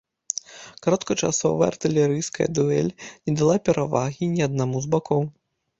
Кароткачасовая артылерыйская дуэль не дала перавагі ні аднаму з бакоў.